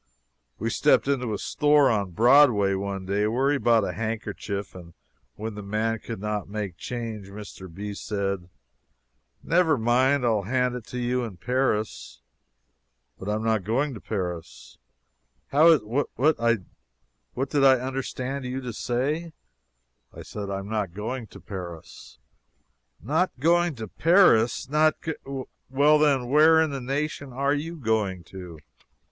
We stepped into a store on Broadway one day, where he bought a handkerchief, and when the man could not make change, Mr. B. said: "Never mind, I'll hand it to you in Paris." "But I am not going to Paris." "How is what did I understand you to say?" "I said I am not going to Paris." "Not going to Paris! Not g well, then, where in the nation are you going to?"